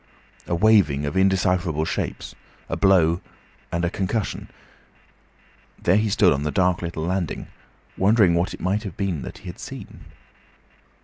A waving of indecipherable shapes, a blow, and a concussion. There he stood on the dark little landing, wondering what it might be that he had seen.